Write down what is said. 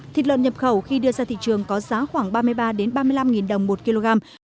thịt lợn nhập khẩu khi đưa ra thị trường có giá khoảng ba mươi ba ba mươi năm đồng một kg